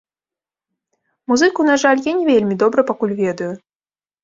Музыку, на жаль, я не вельмі добра пакуль ведаю.